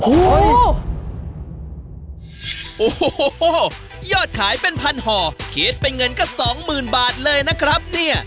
โอ้โหยอดขายเป็นพันห่อคิดเป็นเงินก็สองหมื่นบาทเลยนะครับเนี่ย